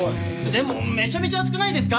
でもめちゃめちゃ熱くないですか！？